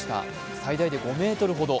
最大で５ｍほど。